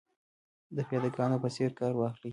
د پیاده ګانو په څېر کار واخلي.